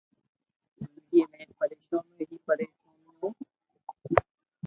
رگي پرآݾونيو ھي پريݾونيون